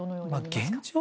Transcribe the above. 現状